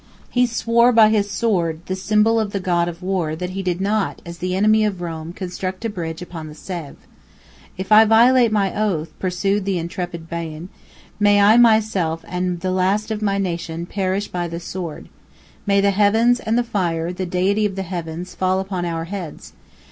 He swore by his sword, the symbol of the god of war, that he did not, as the enemy of Rome, construct a bridge upon the Save. "If I violate my oath," pursued the intrepid Baian, "may I myself, and the last of my nation, perish by the sword! May the heavens, and fire, the deity of the heavens, fall upon our heads!